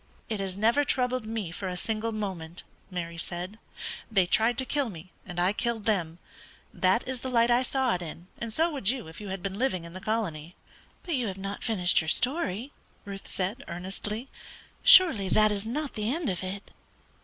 "It has never troubled me for a single moment," Mary said. "They tried to kill me, and I killed them. That is the light I saw it in, and so would you if you had been living in the colony." "But you have not finished your story," Ruth said, earnestly. "Surely that is not the end of it!"